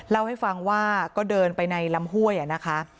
เล่าให้ฟังว่าก็เดินไปในลำห้วยนะคะ